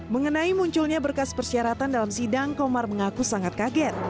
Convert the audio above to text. mengenai munculnya berkas persyaratan dalam sidang komar mengaku sangat kaget